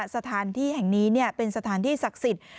สถานที่แห่งนี้เป็นสถานที่ศักดิ์สิทธิ์